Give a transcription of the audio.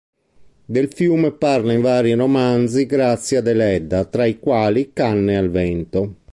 Del fiume parla in vari romanzi Grazia Deledda tra i quali "Canne al vento".